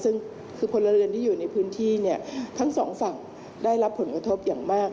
ซึ่งคือพลเรือนที่อยู่ในพื้นที่เนี่ยทั้งสองฝั่งได้รับผลกระทบอย่างมาก